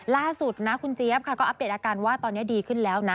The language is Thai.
ล่าสุดนะคุณเจี๊ยบค่ะก็อัปเดตอาการว่าตอนนี้ดีขึ้นแล้วนะ